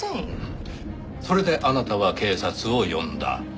それであなたは警察を呼んだ。